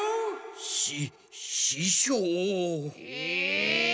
しししょう⁉ええ！